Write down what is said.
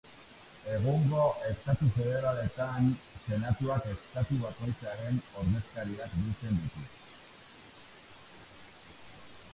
Egungo estatu federaletan senatuak estatu bakoitzaren ordezkariak biltzen ditu.